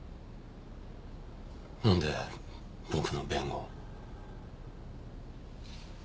なんで僕の弁護を？